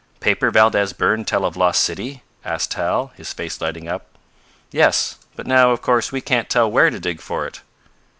"Paper Valdez burn tell of lost city?" asked Tal, his face lighting up. "Yes. But now, of course, we can't tell where to dig for it."